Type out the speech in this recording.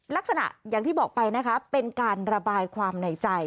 ลักษณะอย่างที่บอกไปเป็นการระบายความในใจ